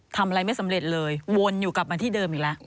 ทำอะไรไม่สำเร็จเลยวนอยู่กลับมาที่เดิมอีกแล้ว